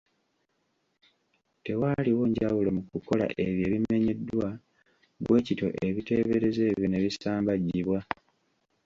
Tewaaliwo njawulo mu kukola ebyo ebimenyeddwa, bwe kityo ebiteeberezo ebyo ne bisambajjibwa.